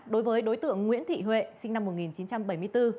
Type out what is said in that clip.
đối với đối tượng nguyễn thị huệ sinh năm một nghìn chín trăm bảy mươi bốn